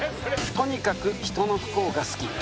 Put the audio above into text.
「とにかく人の不幸が好き」